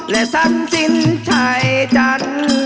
และสรรสินไทยจันทร์